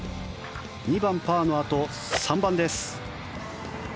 ２番、パーのあと３番です。